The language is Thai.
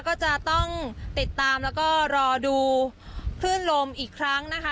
ก็จะต้องติดตามแล้วก็รอดูคลื่นลมอีกครั้งนะคะ